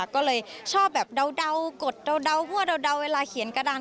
ก็เลยชอบแบบเดากดเดาหัวเดาเวลาเขียนกระดาน